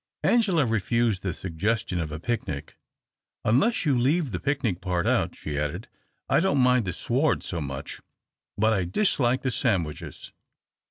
Angela refused the suggestion of a picnic. " Unless you leave the picnic part out," she added, " I don't mind the sward so much, but I dislike the sandwiches.